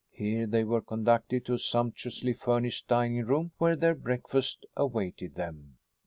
Here they were conducted to a sumptuously furnished dining room where their breakfast awaited them.